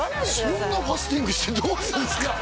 そんなファスティングしてどうするんですか？